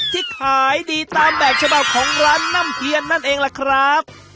ที่ขายดีตามแบบฉบับของร้านน่ำเทียนนั่นเองล่ะครับ